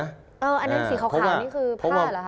อันนั้นสีขาวนี่คือผ้าเหรอค